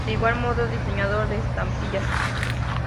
De igual modo diseñador de estampillas.